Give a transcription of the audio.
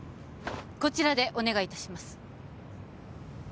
こちらでお願いいたします